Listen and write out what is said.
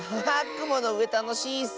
くものうえたのしいッス！